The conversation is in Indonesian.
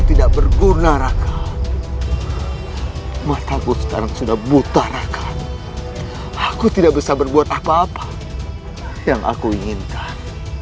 tidak berguna raka mataku sekarang sudah buta raka aku tidak bisa berbuat apa apa yang aku inginkan